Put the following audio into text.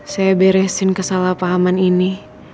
saya beresin kesalahpahaman ini